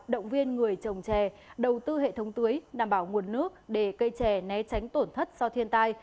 động viên người trồng chè đầu tư hệ thống tưới đảm bảo nguồn nước để cây chè né tránh tổn thất do thiên tai